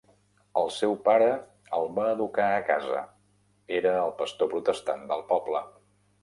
El seu pare el va educar a casa. Era el pastor protestant del poble.